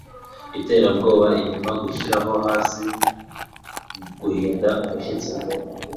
iterabwoba inyuma, gushiraho hasi guhinda umushyitsi